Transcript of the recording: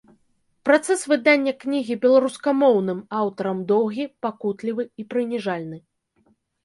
Працэс выдання кнігі беларускамоўным аўтарам доўгі, пакутлівы і прыніжальны.